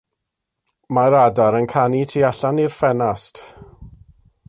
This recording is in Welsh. Mae'r adar yn canu tu allan i'r ffenast.